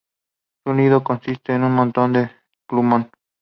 Su nido consiste en un montón de plumón.